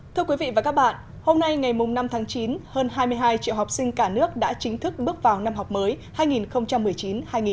thưa quý vị và các bạn hôm nay ngày năm tháng chín hơn hai mươi hai triệu học sinh cả nước đã chính thức bước vào năm học mới hai nghìn một mươi chín hai nghìn hai mươi